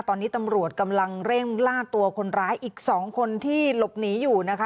ตอนนี้ตำรวจกำลังเร่งล่าตัวคนร้ายอีก๒คนที่หลบหนีอยู่นะคะ